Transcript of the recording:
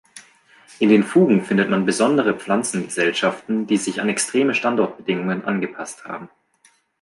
In den Fugen findet man besondere Pflanzengesellschaften, die sich an extreme Standortbedingungen angepasst haben.